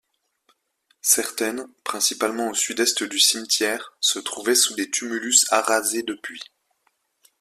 Certaines, principalement au sud-est du cimetière, se trouvaient sous des tumulus arasés depuis.